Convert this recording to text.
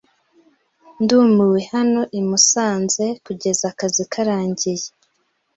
Ndumiwe hano i Musanze kugeza akazi karangiye.